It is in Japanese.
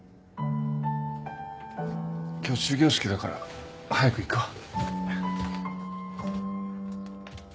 今日終業式だから早く行くわ。